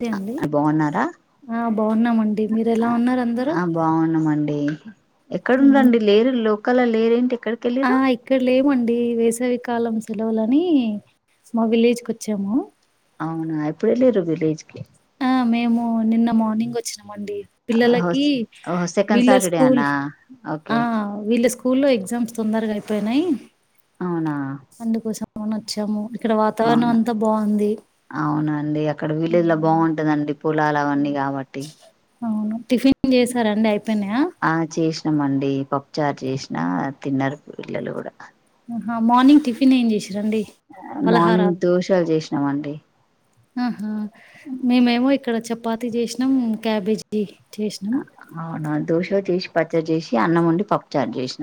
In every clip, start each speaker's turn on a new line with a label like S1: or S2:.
S1: తే అండి
S2: ఆ బాగున్నారా
S1: ఆ బాగున్నామండి మీరు ఎలా ఉన్నారు అందరూ హ్మ్.
S2: ఎక్కడుంరండి లేరు లోకల్ల లేరు ఏంటి
S1: ఆ ఇక్కడ లేమండి వేసవి కాలం సెలవులని మా విలేజ్ కు వచ్చాము
S2: అవునా ఎప్పుడు వెళ్ళరు విలేజ్కి
S1: ఆ మేము నిన్న మార్నింగ్ వచ్చిన మండి పిల్లలకి
S2: ఓహో సెకండ్
S1: వీళ్ళ
S2: సాటర్డే
S1: స్కూల్
S2: అనా ఓకే
S1: ఆ వీళ్ళ స్కూల్ల్లో ఎగ్జామ్స్ తొందరగా అయిపోయినాయ్
S2: అవునా
S1: మని వచ్చాము ఇక్కడ వాతావరణం
S2: అవునా
S1: అంతా బాగుంది
S2: అవునండి అక్కడ విలేజ్ లో బాగుంటందండి పొలాలు అవన్నీ కాబట్టి
S1: అవును టిఫిన్ చేసారండి అయిపోయినాయా
S2: ఆ చేసినమండి పప్పుచార్ చేసిన తిన్నారు పిల్లలు కూడా
S1: హ మార్నింగ్ టిఫన్ ఏం చేస్
S2: మార్నింగ్ దోషాలు చేసినామండి
S1: ఆహా మీ మేమో ఇక్కడ చపాతిీ చేసినాం క్యాబేజీ చేసినాం.
S2: అవునా దోస చేసి పచ్చడి చేసి అన్నం వండి పప్పుచారు చేస్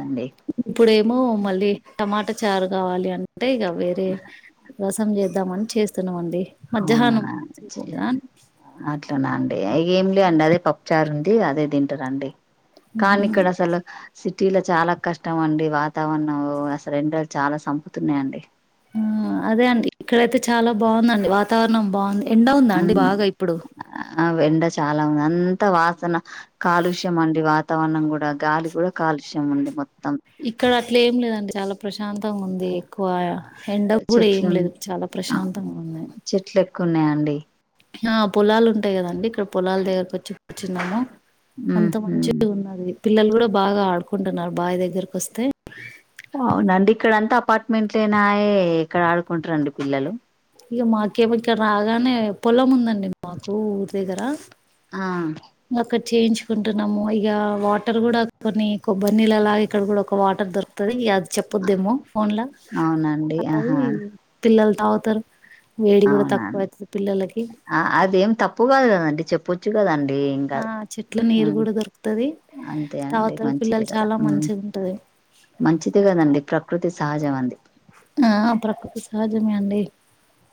S1: ఇప్పుడేమో మళ్ళీ టమాటా చారు కావాలి అంటే ఇగ వేరే రస్ ం చేద్దామని చేస్తున్నామండి
S2: అవునా
S1: మధ్యాహ్నం
S2: చె
S1: చేసినా
S2: అట్లానా అండి ఇగ ఎం లే అండి అదే పప్పుచారు ఉం ది అదే తింటరండి
S1: హుహు.
S2: కానీ ఇక్కడ అసలు సి సిటీల చాలా కష్టం అండి వాతావరణం ఓ అసలు ఎండలు చాలా చంపుతున్నాయండి
S1: హు అదే అండి ఇక్కడయితే చాలా బాగుందండి వాతావరణం బావుంది ఎండవుందా అండి బాగా ఇప్పుడు
S2: ఆ ఎండ చాలా ఉంది అంత వాసన కాలుష్యం అండి వాతావరణం కూడా గాలి కూడా కా కల్షియం ఉంది మొత్
S1: ఇక్కడ అట్లే ఏం లేదండి చాల ప్రశాంతంగా ఉంది ఎక్కువ ఎండ కూడా ఏం
S2: చెట్లు
S1: లేదు చాలా ప్రశాంతంగా ఉంది
S2: కున్నాయండి
S1: ఆ పొలాలు ఉంటాయి కదండి ఇక్కడ పొలాల దగ్గరకి వచ్చి కూర్చున్నాము అంత
S2: ఉహు
S1: మంచిగ ఉన్నది పిల్లలు కూడా బాగా ఆడుకుంటున్నారు బావి దగ్గరికొస్తే
S2: అవునండి ఇక్కడ అంత అపార్ట్మెంట్లనాయే ఇక్కడ ఆడుకుంటారండి పిల్లలు
S1: ఇక మాకేమి ఇక్కరాగానే పొలం ఉందండి మాకు. ఊరి దగ్గర
S2: ఆ
S1: అక్కడ చేయించుకుంటున్నాము. ఇగ వాటర్ కూడ కొన్ని కొబ్బరి నీళ్ళలా ఇక్కడ కూడ ఒక వాటర్ దొరుకుతది. ఇగ ది చెప్పొద్దేమో ఫోన్లా.
S2: అవునండి
S1: అవి
S2: ఆహా
S1: పిల్లలు తాగుతరు.
S2: అవునా అండి! ఆ అదేం తప్పు కాదు కదండి చెప్పో
S1: ఆ చెట్ల నీరు కూడ దొరుకుతది.
S2: అంతే అండి
S1: తాగుతరు పిల్లలు చాల మంచిగుంటది.
S2: మంచిదే కదండి. ప్రకృతి సహజం అది.
S1: ఆ ప్రకృతి సహజమే అండి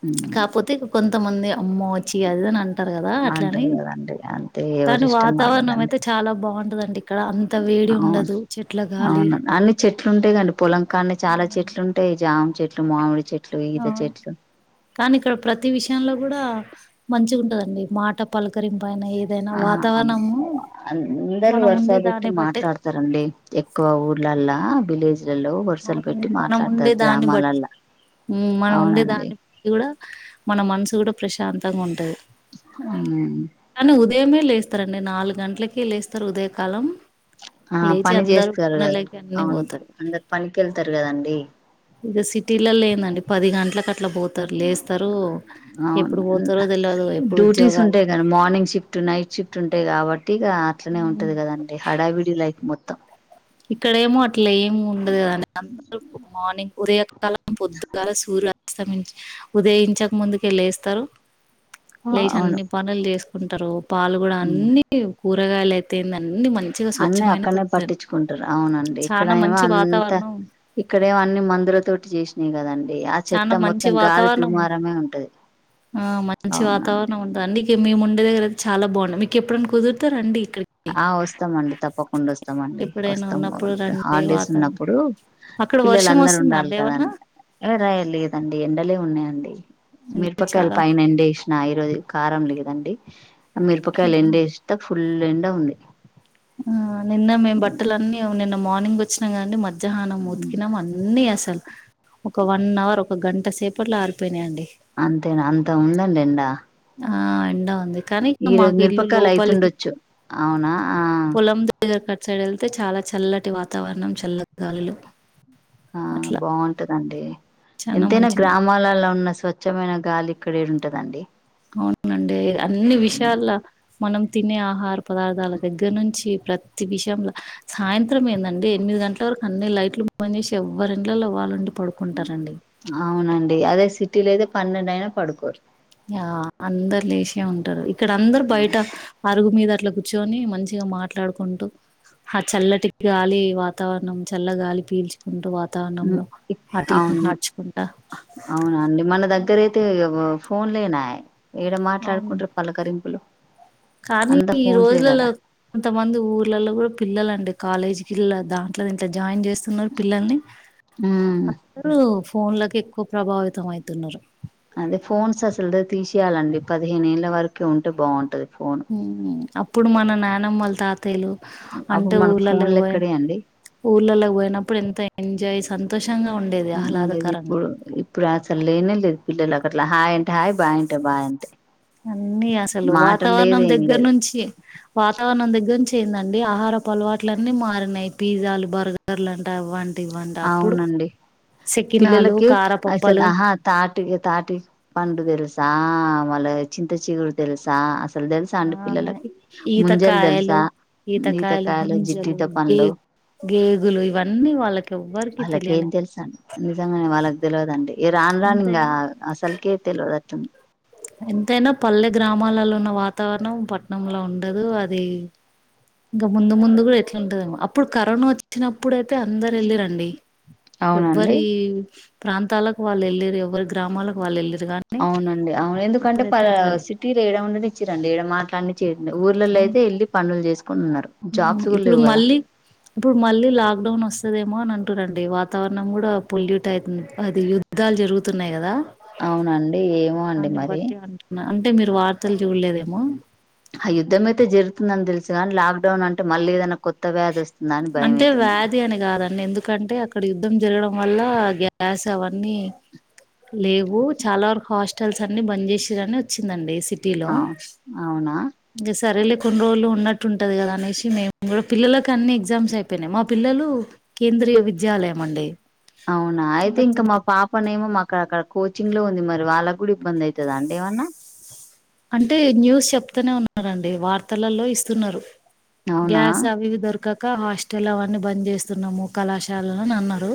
S2: ఉమ్
S1: కాపోతే కొంతమంది అమ్మో చ్చి అది ఇదని అంటారు కదా అట్లని.
S2: అంటారు కదండి అంతే ఎవరి
S1: కానీ
S2: ఇష్టం
S1: వాతావరణం
S2: వాళ్ళదండి
S1: అయితే, చాలా బాగుంటదండి ఇక్కడ అంత వేడి
S2: అవును
S1: ఉండదు. చెట్
S2: అవును. అన్ని చెట్లు ఉంటాయి కండి పొలంకానే చాలా చెట్లు ఉంటాయి. జామ చెట్లు, మామిడి చెట్
S1: అవును. కానీ, ఇక్కడ ప్రతి విషయంలో, కూడ మంచిగుంటదండి. మాట, పలకరింపు అయినా ఏదైనా
S2: ఆ
S1: వాతావరణము
S2: అందరు
S1: మనం
S2: వరుస
S1: ఉండే
S2: పెట్టి
S1: దాన్ని బట్టే
S2: మాట్లాడతారండి. ఎక్కువ ఊర్లల్లా. ఆ విలేజ్.
S1: అవునండి. మనం ఉండే దాన్ని బట్,
S2: గ్రామాలల్లా
S1: మ్ మనం ఉండే
S2: అవునండి
S1: దాన్ని బట్టి కూడ మన మనసు కూడ ప్రశాంతంగా ఉంటది.
S2: మ్
S1: ఏమే లేస్తారండి. నాలుగు గంటలకె లేస్తారు, ఉదయ కాలం.
S2: ఆ పని చేస్తారు కదా!
S1: అన్నీ
S2: అవును,
S1: పోతారు.
S2: అందరు పనికెళ్తారు కదండి!
S1: ఇగ సిటీలలో ఏందండి, పది గంటలకు అట్ల పోతారు. లేస్తారు ఎప్పుడు
S2: అవున,
S1: పోతారో తెల్వదు ఎప్పుడు
S2: డ్యూటీస్
S1: ఉద్యోగాలు
S2: ఉంటాయి కదా! మార్నింగ్ షిఫ్ట్, నైట్ షిఫ్ట్ ఉంటాయి కాబట్ ట్టి ఇగ అట్లనే ఉంటది కదండి! హడావిడి లైఫ్ మొత్తం.
S1: ఇక్కడేమో అట్ల ఏమి ఉండదు కదండి! అందరు మార్నింగ్, ఉదయ కా లం పొద్దుగాల, సూర్యా అస్తమించి ఉదయించక ముందుకే లేస్తారు. లేచి
S2: అవును
S1: అన్ని పనులు చేసుకుంటారు. పాలు కూడ
S2: ఉమ్.
S1: అన్ని కూరగాయలు అయితే ఎన్నని అన్ని మంచిగా స్వచ్ఛమైన దొరుకుతయి.
S2: తీసుకుంటారు. అవునండి. ఇక్కడేమో, అంత
S1: వాతావరణం
S2: ఇక్కడేమో అన్ని మందుల తోటి చేసినయి కదండి. ఆ
S1: చానా
S2: చెత్త
S1: మంచి
S2: మొత్తం గాలి
S1: వాతావరణం
S2: దుమారమే ఉంటది.
S1: ఆ మంచి
S2: అవునండి
S1: వాతావరణం ఉంటది. అందుకే మేము ముండే దగ్గర అయితే చాలా బాగుండె మీకు ఎప్పుడైనా కుదురుతే రండి. ఇక్కడికి
S2: ఆ వస్తమండి. తప్పకుండా వస్తమండి.
S1: ఎప్పుడైనా
S2: వస్తాము
S1: ఉన్నప్పుడు రండి
S2: హాలిడేస్
S1: వాతావరణం
S2: ఉన్నప్పుడు.
S1: అక్కడ వర్షం
S2: పిల్లలందరూ
S1: వస్తుందా
S2: ఉండాలి
S1: అండి ఏమన్నా
S2: కదండి. ఎ రెయ్ లెదండి ఎండలే ఉన్నాయండి.
S1: అంటే
S2: మిరపకాయలు
S1: చాలా
S2: పైన ఎండేసిన ఈరోజు, కారం లేదండి. ఆ మిరపకాయలు ఎండేస్తే, ఫుల్ ఎండ ఉంది.
S1: ఆ నిన్న మేము బట్టలన్నీ నిన్న మార్నింగ్ వచ్చినం కదండి! మద్ మధ్యాహ్నం ఉతికినాం. అన్ని అసలు ఒక వన్ అవర్ ఒక గంట సేపట్లో ఆరిపోయినాయండి.
S2: అంతేన! అంత ఉందండి ఎండ.
S1: ఆ ఎండ ది కానీ,
S2: ఈరోజు
S1: మాకు ఇల్లు
S2: మిరపకాయలు
S1: లోపలికి,
S2: అయితుండొచ్చు అవునా ఆ
S1: పొలం దగ్గర కట్ సైడ్ ఎళ్తే చాల చల్లటి వాతావరణం. చల్లగాలులు
S2: ఆ బాంటదండి.
S1: చానా
S2: ఎంతైనా
S1: మంచిగా
S2: గ్రామాలలో ఉన్న స్వచ్ స్వచ్ఛమైన గాలి ఇక్కడ ఎడుంటదండి?
S1: అవునండి. అన్ని విషయాల్ల మనం తినే ఆహార పదార్థాల దగ్గర నుంచి, ప్రతి విషయంలో సాయంత్రం ఏందండి! ఎనిమిగంటల వరకు అన్ని లైట్లు ద్ చేసి ఎవ్వరి ఇండ్లలో వాళ్లు ఉండి
S2: అవునండి. అదే సిటీలో అయితే పన్నెండు అయినా పడుకోరు.
S1: ఆ అందరు లేశే ఉంటారు. అరుగు మీద అట్ల కూర్చొని మంచిగా మాట్లాడుకుంటూ, ఆ చల్లటి గాలి, వాతావరణం, చల్ల గాలి పీల్చుకుంటూ, వా
S2: మ్ అవును అవునండి మన దగ్గర అయితే ఇగ ఫోన్ లేనా ఏడ
S1: అవును
S2: మాట్లాడుకుంటారు పలకరింపులు
S1: కానీ
S2: అంతా
S1: ఈ
S2: ఫోన్సే
S1: రోజులలో
S2: కదా
S1: కొంతమంది ఊర్లలో గూడా పిల్లలండి కాలేజీకి పిల్ల దాంట్లో దీంట్లో జాయిన్ చేస్తున్నారు పిల్లల్ని
S2: ఉమ్
S1: అందరూ ఫోన్లలకు ఎక్కువ ప్రభావితం అయితున్నారు
S2: అదే ఫోన్స్ అసలు తీసేయాలండి పదిహేనళ్ళ వరక ఉంటే బాగుంటది ఫోన్
S1: మ్ అప్పుడు మన నానమ్మోలు తాత తెలు అంటే
S2: అప్పుడు మనకు
S1: ఊళ్ళలో
S2: ఫోన్లు
S1: పోయి
S2: ఎక్కడే అండి
S1: ఊర్ళలో పోయినప్పుడు ఎంత ఎంజాయ్ సంతోషంగా ఉండేది
S2: ఉండేది
S1: ఆహ్లాదకరంగా
S2: ఇప్పుడు ఇప్పుడు అసలు లేనే లేదు పిల్లలు అట్లా హాయ్ అంటే హాయ్ బాయ్ అంటే బాయ్ అంతే
S1: అన్నీ అసలు
S2: మాటలు
S1: వాతావరణం
S2: లేదు ఏం
S1: దగ్గర
S2: లేదు
S1: నుంచి వాతావరణం దగ్గర నుంచి ఏందండి ఆహారపు అలవాట్ల అన్నీ మారినయి పిజ్జాలు బర్గర్లు అంటే అవంటి తివ్వంట అప్పుడు
S2: అవునండి
S1: సెకినాలు
S2: పిల్లలకి అసలు
S1: కారపప్పలు
S2: ఆహా తాటి తాటి పండు తెలుసా ఆ మళ్ల చింత చిగురు తెలుసా దెల్సా
S1: ఆ
S2: అండ పిల్లలకి ముంజలు
S1: ఈతకాయలు
S2: దెల్సా ఈత
S1: ఈతకాయలు
S2: కాయలు
S1: ముంజలు
S2: జిట్టిట
S1: గే
S2: పన్లు
S1: గేగులు ఇవన్నీ వాళ్ళకి ఎవ్వరికి
S2: వాళ్ళకేం
S1: తెలియనే తెలి
S2: తెలుస అండి నిజంగానే వాళ్ళకి తెలివదండి ఏ రాను రాను ఇంగ
S1: ఎంతైనా
S2: అసలుకే తెలియదతను
S1: ఎంతైనా పల్లె గ్రామాలలో ఉన్న వాతావరణం పట్టనంలో ఉండదు అది ఇంగా ముందు ముందు కూడా ఎట్లాంటందేమో అప్పుడు కరోనా వచ్చినప్పుడుయితే అందరు వెళ్ళిరండి
S2: అవునండి
S1: ఎవ్వరి ప్రాంతాలకు వాళ్ళు ఏళ్ళిర్రు ఎవ్వరి గ్రామాలకు వాళ్ళు ఏళ్ళిర్రు
S2: అవునండి అవును ఎందుకంటే ప
S1: అట్లా
S2: సిటీలో ఎడ ఉండినిచ్చిరండి ఏడ మాట్లాడినిచ్చే ఊర్లలో
S1: అవును
S2: అయితే వెల్లి పనులు చేస్
S1: ఇప్పుడు మళ్ళీ ఇప్పుడు మళ్ళీ లాక్డౌన్ వస్తదేమో అని అనుకు టు రండి వాతావరణం కూడా పొల్యూట్ అయితుంది అది యుద్ధాలు జరుగుతున్నాయి గదా
S2: అవునాండి ఏమో అండి
S1: దాన్ని
S2: మరి
S1: బట్టి అంటున్నా. అంటే మీరు వార్తలు చూడలేదేమో
S2: ఆ యుద్ధం అయితే జరుగుతుందని తెలుసు కానీ లాక్డౌన్ అంటే మళ్ళీ ఏదైనా కొత్త వ్యాధి వస్తుందా అని భయం
S1: అంటే
S2: అవుతుందండి
S1: వ్యాధి అని కాదండి ఎందుకంటే అక్కడ యు జరగడం వల్ల గ్యాస్ అవన్నీ లేవు చాలా వరకు హస్ట్ స్టాల్స్ అన్ని బంద్ చేసిని వచ్చిందండి సిటీలో
S2: అవును అవునా
S1: సరిేలే కొన్ని రోజులు ఉన్నట్టు ఉంటంది గదా అనేసి మేము గూడా పిల్లలకు అన్ని ఎగ్జామ్స్ అయిపోయినాయి మా పిల్లలు కేంద్రీయ విద్యాలయం అండి
S2: అవునా అయితే ఇంకా మా పాపనే ఏమో మా అక్కడ అక్కడ కోచింగ్ లో ఉంది మరి వాళ్ళకి కూడా ఇబ్బంది అవుతుందా అండి ఏమన్నా
S1: అంటే న్యూస్ చెప్తూనే ఉన్నారండి వార్తలలో ఇస్తున్నారు
S2: అవునా
S1: గ్యాస్ అవిఇవి దొరకక ఇక హాస్టల్ అవన్నీ బంద్ చేస్తున్నాము కళాశాలలు అని అన్నారు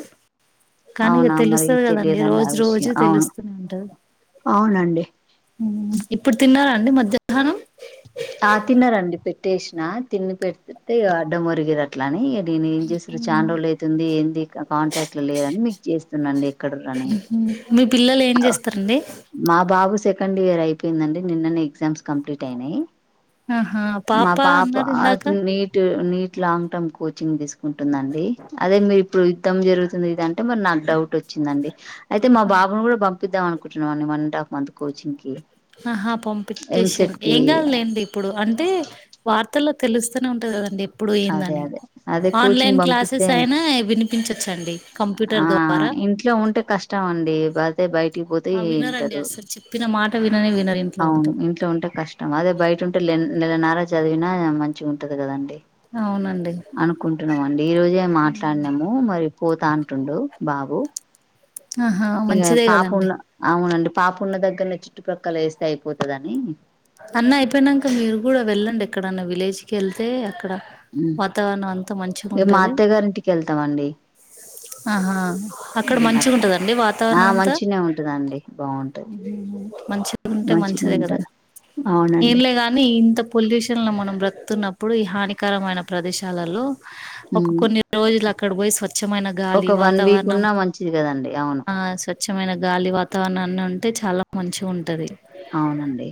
S1: కానీ ఇక
S2: అవునా మరి
S1: తెలుస్తది కదండి
S2: తెలియదండి ఆ
S1: రోజు రోజు
S2: విషయం అవును
S1: తెలుస్తూనే ఉంటారు
S2: అవునండి
S1: మ్మ్ ఇప్పుడు తిన్నారాండి మధ్యాహ్నం
S2: ఆ తన్నారండి పెట్టేసినా తిని పెట్టి అడ్డం మురిగరి అట్లని నేను ఏం చేసిరు
S1: మ్మ్.
S2: చాండ్రోజులైయితుంది ఏంది కాంటాక్ట్ లో లేరని మీకు చేస్తున్నాండి ఇక్కడుర్రని
S1: మీ పిల్లలు ఏం చేస్తారండి
S2: బాబు సెకండ్ ఇయర్ అయిపోయిందండి నిన్న ఎగ్జామ్స్ కంప్లీట్ అయినాయి
S1: ఆహా
S2: మా పాప
S1: అన్నారు ఇందాక
S2: ఇప్పుడు NEET NEET long term coaching తీసుకుంటుందండి అదే మీరు ఇప్పుడు అం జరుగుతుంది ఇదంటే మరి నాకు డౌట్ వచ్చిందండి అయితే మా బాబును కూడా చపిద్దాంమనుకుంటున్నాడి వన్ అండ్ాఫ్ మంత్ కోచి కి
S1: ఆహా పంపించేసాను
S2: ఎంసెట్ కి
S1: ఏం కాదులేండి ఇప్పుడు అంటే వార్త ఇలా తెలుస్తూనే ఉంటుందిండి ఇప్పుడు
S2: అదే
S1: ఏందని
S2: అదే అదే కోచింగ్
S1: ఆన్లైన్ క్లాసెస్
S2: పంపిస్తే
S1: అయినా వినిపించచ్చండి కంప్యూటర్
S2: ఆ
S1: ద్వారా
S2: ఇంట్లో ఉంటే కష్టం అండి బతే బయటికి పోతే
S1: ఆ! వినరండి
S2: వింటారు
S1: అస్సలు చెప్పిన మాట విననే వినరు ఇంట్లో
S2: అవును
S1: ఉంటే.
S2: ఇంట్లో ఉంటే కష్టం అదే బయట ఉంటే నెల నార చదివినా మంచి ఉంటది కదండి
S1: అవునండి.
S2: అనుకుంటున్నామండి ఈ రోజే మాట్లాడినాము మరి పోతాంటుడు బాబు
S1: ఆహా!
S2: ఇక
S1: మంచిదే
S2: పాపు
S1: గదండీ.
S2: ఉన్న అవునండి పాపు ఉన్న దగ్గరన చుట్టుప్రక్కల వేస్తే అయిపోతుదని
S1: అక్కడన్న విలేజ్ కి వెళ్తే అక్కడ వాతావరణం అంతా మంచిగా
S2: ఇక మా
S1: ఉంటది
S2: అత్తయ్య గారింటికి వెళ్తామండి
S1: ఆహా అక్కడ మంచి
S2: అట్లా
S1: ఉంటదండి
S2: ఆ
S1: వాతావరణ అంతా
S2: మంచినే ఉంటదండి బాగుంటది
S1: మంచిది ఉంటే
S2: మంచినే
S1: మంచిదే
S2: ఉంటది
S1: కదండి
S2: అవునండి
S1: ఏంలే గాని ఇంత పొల్యూషన్ లో మనం బ్రతున్నప్పుడు ఈ హానికరమైన ప్రదేశాలలో ఒక కొన్ని రోజులు అక్కడ పోయి స్వచ్ఛమైన గాలి
S2: ఒక వన్ వీక్
S1: వాతావరణం
S2: ఉన్నా మంచిది కదండి అవును
S1: ఆ స్వచ్ఛమైన గాలి వాతావరణాన్ని ఉంటే చాలా మంచి ఉంటది
S2: అవునండి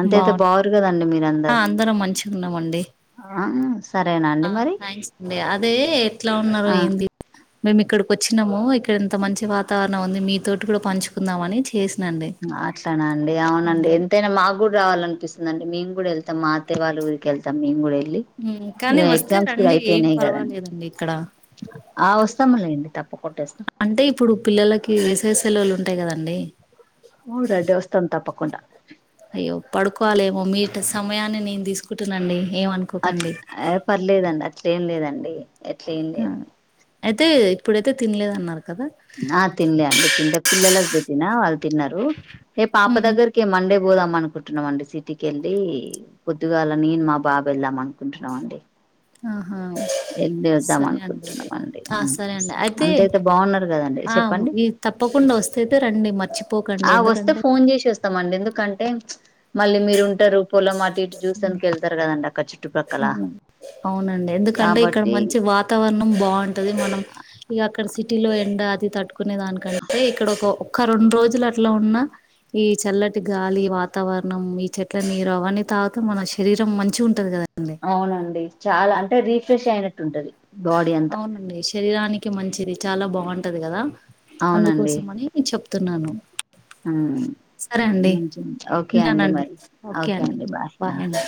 S2: అంతయితే
S1: బాగు
S2: బాగురు కదండి మీరందరు
S1: అందరం మంచి ఉన్నామండి
S2: ఆ సరేనా అండి
S1: ఆ
S2: మరి
S1: థ్యాంక్స్ అండి అదే ఎట్లా ఉన్నారుో
S2: ఆ
S1: ఏంది మేము ఇక్కడికి వచ్చినాము ఇక్కడ ఇంత మంచి వాతావరణం ఉంది మీతోోటి కూడా పంచుకుందాంమని చేసి
S2: అట్లాన అండి అవునండి ఎంతైనా మా కూడా రావాలినిపిస్తుందిండిే కూడా వెతాం మాే వాళ్ళ ఊరికి వెతంేము కూడా వెళ్తం
S1: కానీ వస్తే రండి ఏం
S2: కదండి
S1: పర్వాలేదండి ఇక్కడ
S2: ఆ వస్తాములేండి తప్పకుండా వస్తాం
S1: అంటే ఇప్పుడు పిల్లలకి వేసయ సెలవులు ఉంటాయి కదండి అడి
S2: ఊడా దేవస్థా అ తప్పకుడా
S1: అయ్యో పడుకోవాలేమో మీ సమయాన్ని నేను తీసుకుంటునండి
S2: అట్
S1: ఏమనుకోకండి
S2: ఏ పర్లేదండి అట్లేం లేదండి అట్ల ఏం లేదు
S1: అయితే ఇప్పుడైతే తినలేదన్నారు కదా
S2: ఆ తిినలే అండి తింటే పిల్లలలకు పెట్టినా వాళ్ళు తిన్నారు నే పాప
S1: ఉమ్
S2: దగ్గరికిే మండే పోదాం అనుకుంటున్నాం అండి సిటీకిెళ్ళి పొద్దుగాల నేను మా బాబు వెళ్దాం అనుకుంటున్నాం అండి
S1: ఆహా
S2: వెళ్ళి వద్దాం
S1: సరే అండి
S2: అనుకుంటున్నామ అండి
S1: ఆ సరే అండి అయితే
S2: అంతయితే బాగున్నారు దం
S1: ఆ
S2: చెండి
S1: ఈ తప్పకుండా వస్తేయితే రండి మర్చిపోకండి
S2: వస్తే
S1: ఎందుకంటే
S2: ఫోన్ చేసి వస్తాంం ఎందుే అంటే మళ్ళీ మీరు ఉంటారు పొలం అటి ఇటు చూస అందుక వెళ్తారు కదండి అక్క చెు
S1: అవున అవునండి ఎందుకంటే ఇక్కడ
S2: కాబట్టి
S1: మంచి వాతావరణం బాగుంటది మనం ఇక అక్కడ సిటీలో ఎండ అది తట్టుకునే దానికంటే ఇక్కడ ఒక ఒక్క రెండు రోజులు అట్లా ఉన్నా ఈ చల్లటి గాలి వాతావరణం ఈ చెట్ల నీరు అవన్న తాగితే మన శరీరం మంచి గా ఉంటది కదా అండి
S2: అవునండి చాలా అంటే రీఫ్రెష్ అయినట్టు ఉంటది బాడీ అంతా
S1: అవునండి శరీరానికి మంచిది చాలా బాగుంటది కదా అందుకోసం అని చెప్తున్నాను
S2: హ
S1: సరే అండి ఉంటానండి ఓకే బాయ్ అండి